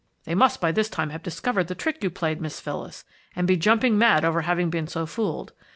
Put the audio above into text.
They must by this time have discovered the trick you played, Miss Phyllis, and be jumping mad over having been so fooled.